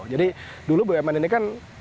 jadi dulu bu mn ini kan ada yang memang